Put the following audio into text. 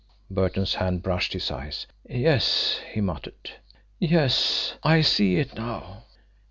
Burton's hand brushed his eyes. "Yes," he muttered. "Yes I see it now."